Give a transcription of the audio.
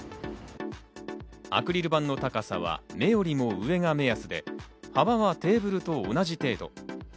アクリル板の高さは、目よりも上が目安で、幅はテーブルと同じ程度。